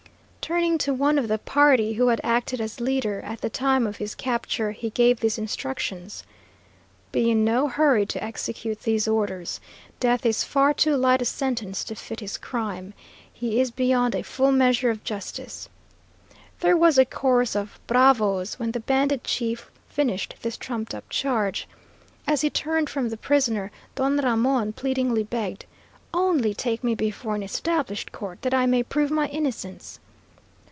Turning to one of the party who had acted as leader at the time of his capture, he gave these instructions: "Be in no hurry to execute these orders. Death is far too light a sentence to fit his crime. He is beyond a full measure of justice." There was a chorus of "bravos" when the bandit chief finished this trumped up charge. As he turned from the prisoner, Don Ramon pleadingly begged, "Only take me before an established court that I may prove my innocence."